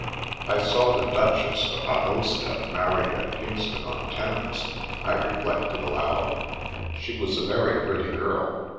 " I saw the Duchess of Aosta married at Kings ton on Thames," I reflected aloud. " She was a very pretty girl.